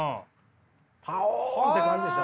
パオンって感じですよ。